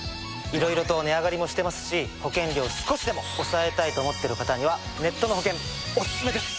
いろいろと値上がりもしてますし保険料を少しでも抑えたいと思っている方にはネットの保険オススメです！